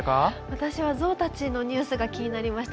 私はゾウたちのニュースが気になりました。